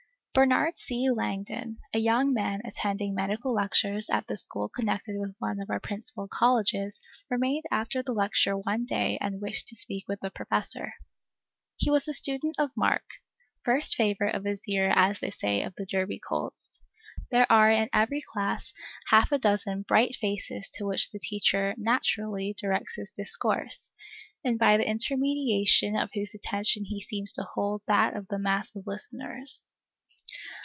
Bernard C. Langdon, a young man attending Medical Lectures at the school connected with one of our principal colleges, remained after the Lecture one day and wished to speak with the Professor. He was a student of mark, first favorite of his year, as they say of the Derby colts. There are in every class half a dozen bright faces to which the teacher naturally, directs his discourse, and by the intermediation of whose attention he seems to hold that of the mass of listeners.